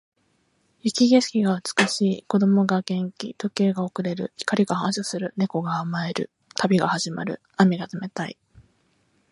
雪景色が美しい。子供が元気。時計が遅れる。光が反射する。猫が甘える。旅が始まる。雨が冷たい。